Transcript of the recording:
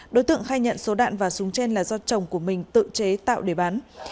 đối tượng khai nhận số đạn và súng trên là do chồng của mình tự chế tạo để bán